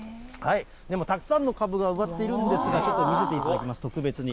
たくさんのかぶが植わっているんですが、ちょっと見せていただきます、特別に。